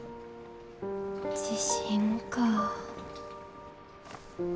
自信かぁ。